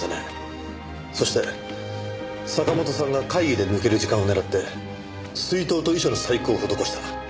そして坂本さんが会議で抜ける時間を狙って水筒と遺書の細工を施した。